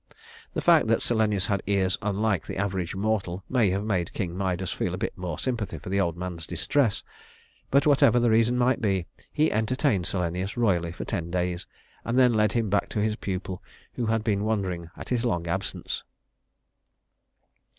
The fact that Silenus had ears unlike the average mortal may have made King Midas feel a bit more sympathy for the old man's distress; but whatever the reason might be, he entertained Silenus royally for ten days, and then led him back to his pupil, who had been wondering at his long absence.